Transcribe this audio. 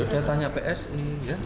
udah tanya psi nih ya